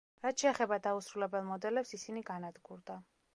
რაც შეეხება დაუსრულებელ მოდელებს ისინი განადგურდა.